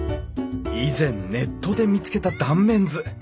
以前ネットで見つけた断面図。